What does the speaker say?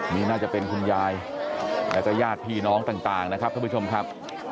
นี่น่าจะเป็นคุณยายแล้วก็ญาติพี่น้องต่างนะครับท่านผู้ชมครับ